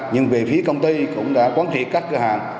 nhưng về phía công ty cũng đã quán triệt các cửa hàng